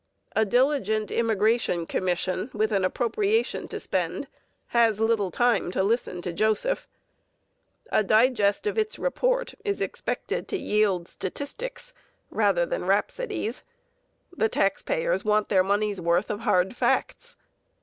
A diligent immigration commission with an appropriation to spend has little time to listen to Joseph. A digest of its report is expected to yield statistics rather than rhapsodies. The taxpayers want their money's worth of hard facts.